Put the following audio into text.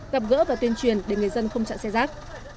gặp gỡ và tuyên truyền để người dân không chặn xe rác